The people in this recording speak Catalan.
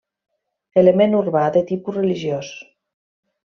Element urbà de tipus religiós.